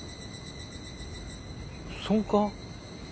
そうか？